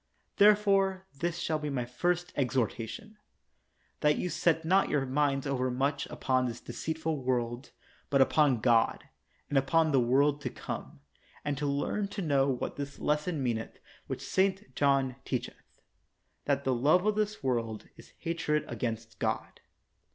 Therefore, this shall be my first exhortation : That you set not your minds overmuch upon this deceitful world, but upon God, and upon the world to come, and to learn to know what this lesson meaneth which St. 19 THE WORLD'S FAMOUS ORATIONS John teacheth, that the love of this world is hatred against God.